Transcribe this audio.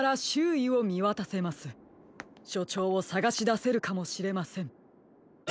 しょちょうをさがしだせるかもしれません。